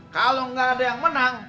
kalo gak ada yang menang